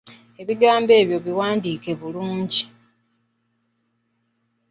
Ebigambo ebyo biwandiike bulungi.